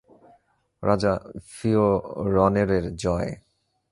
রাজা ফিওরনেরের জয়!